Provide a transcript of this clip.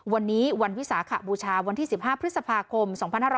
วันนี้วันวิสาขบูชาวันที่๑๕พฤษภาคม๒๕๖๐